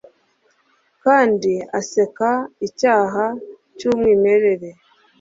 Kandi aseka Icyaha cy'umwimerere.